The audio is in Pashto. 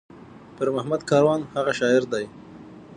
پير محمد کاروان هغه شاعر دى